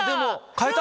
変えた？